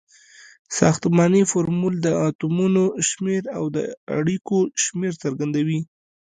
ساختمانی فورمول د اتومونو شمیر او د اړیکو شمیر څرګندوي.